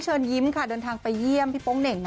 ชนยิ้มได้เดินทางไปเยี่ยมพี่ป้องเด่ง